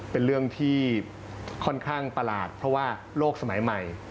เป็นเรื่องที่ค่อนข้างประหลาดเพราะว่าโลกสมัยใหม่